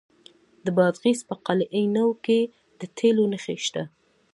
د بادغیس په قلعه نو کې د تیلو نښې شته.